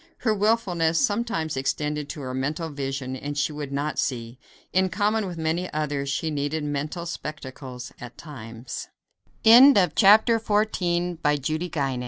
Her wilfulness sometimes extended to her mental vision and she would not see. In common with many others, she needed mental spectacles at times. CHAPTER XV To Make a Man of Her So i